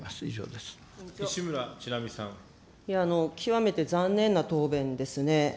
では極めて残念な答弁ですね。